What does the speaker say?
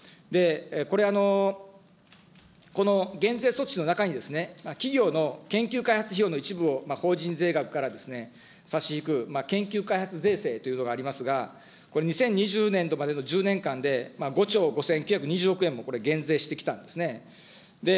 これ、この減税措置の中に、企業の研究開発費用の一部を法人税額から差し引く研究開発税制というのがありますが、これ、２０２０年度までの１０年間で５兆５９２０億円もこれ、減税してきたんですね。